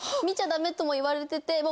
見ちゃダメとも言われてて。